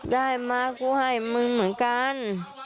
ได้มากูให้มึงเหมือนกัน